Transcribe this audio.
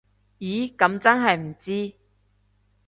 咦噉真係唔知